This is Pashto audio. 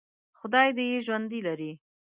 خدای دې یې ژوندي لري.